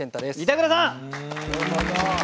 板倉さん！